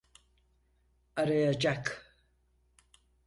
Arayacak.